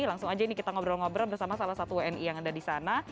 langsung aja ini kita ngobrol ngobrol bersama salah satu wni yang ada di sana